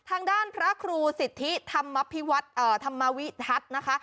ทางด้านพระครูสิทธิธรรมวิทัศน์นะคะ